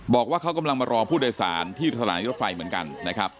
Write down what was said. บอกว่าเขากำลังมารอผู้โดยสารที่สถานีรถไฟเหมือนกันนะครับ